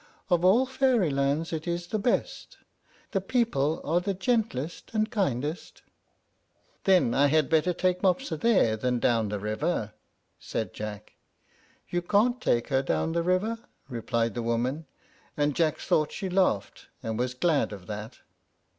"Of all fairy lands it is the best; the people are the gentlest and kindest." "Then I had better take Mopsa there than down the river?" said Jack. "You can't take her down the river," replied the woman; and Jack thought she laughed and was glad of that.